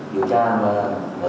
điều tra mà rộng